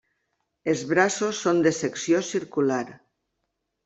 Els braços són de secció circular.